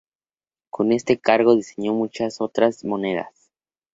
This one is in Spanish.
Con este cargo diseñó muchas otras monedas.